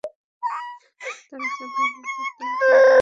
তার চেয়ে ভালো বর তুমি পাবে না।